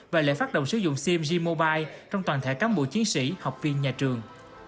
và lễ phát động sử dụng cmg mobile trong toàn thể cán bộ chiến sĩ học viên nhà trường